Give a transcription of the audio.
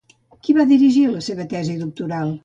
Qui va dirigir la seva tesi doctoral?